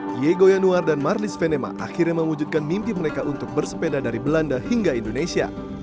diego yanuar dan marlis venema akhirnya mewujudkan mimpi mereka untuk bersepeda dari belanda hingga indonesia